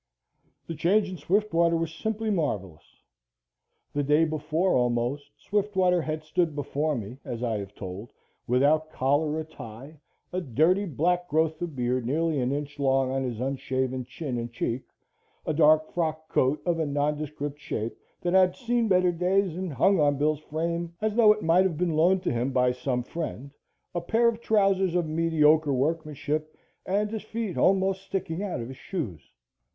The change in Swiftwater was simply marvelous. The day before almost, Swiftwater had stood before me, as I have told, without collar or tie, a dirty black growth of beard nearly an inch long on his unshaven chin and cheek, a dark frock coat of a nondescript shape that had seen better days and hung on Bill's frame as though it might have been loaned to him by some friend; a pair of trousers of mediocre workmanship and his feet almost sticking out of his shoes.